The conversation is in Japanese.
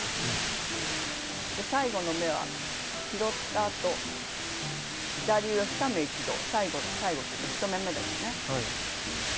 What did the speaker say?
最後の目は拾ったあと左上２目一度最後っていうか１目めですね。